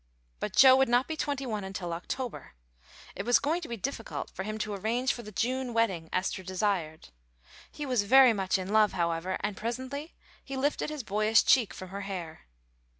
But Joe would not be twenty one until October. It was going to be difficult for him to arrange for the June wedding Esther desired. He was very much in love, however, and presently he lifted his boyish cheek from her hair.